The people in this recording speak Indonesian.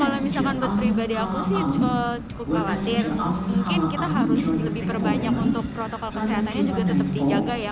kalau misalkan buat pribadi aku sih cukup khawatir mungkin kita harus lebih perbanyak untuk protokol kesehatannya juga tetap dijaga ya